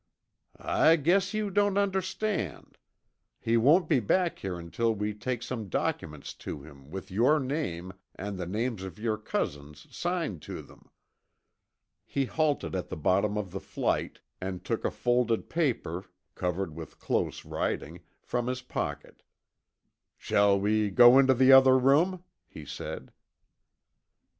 "I guess you don't understand. He won't be back here until we take some documents to him with your name and the names of your cousins signed to them." He halted at the bottom of the flight, and took a folded paper, covered with close writing, from his pocket. "Shall we go into the other room?" he said.